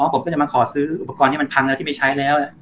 ผมก็จะมาขอซื้ออุปกรณ์ที่มันพังแล้วที่ไปใช้แล้ว